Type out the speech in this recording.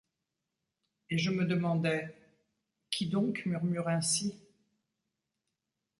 Et je me demandais :— Qui donc murmure ainsi ?